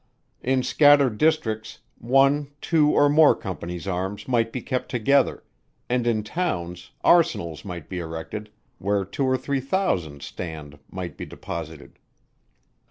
In scattered districts, one, two or more companies arms might be kept together; and in towns Arsenals might be erected where two or three thousand stand might be deposited.